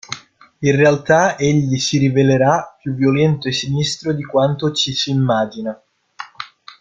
In realtà egli si rivelerà più violento e sinistro di quanto ci si immagina.